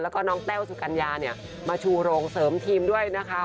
แล้วก็น้องแต้วสุกัญญาเนี่ยมาชูโรงเสริมทีมด้วยนะคะ